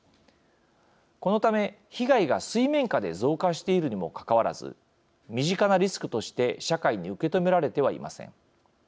このため、被害が水面下で増加しているにもかかわらず身近なリスクとして社会に受け止められてはいません。